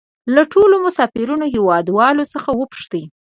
له ټولو مسافرو هېوادوالو څخه وپوښتئ.